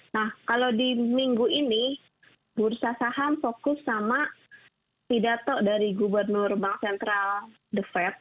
nah kalau di minggu ini bursa saham fokus sama pidato dari gubernur bank sentral the fed